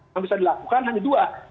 yang bisa dilakukan hanya dua